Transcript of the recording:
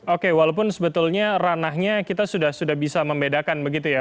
oke walaupun sebetulnya ranahnya kita sudah bisa membedakan begitu ya